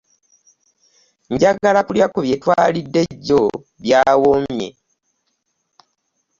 Njagala kulya ku bye twalidde jjo byawoomye.